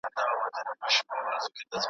که پتنګ پر ما کباب سو زه هم وسوم ایره سومه